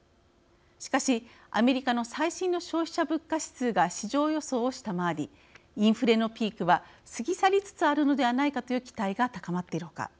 しかし、アメリカの最新の消費者物価指数が市場予想を下回りインフレのピークは過ぎ去りつつあるのではないかという期待が高まっている他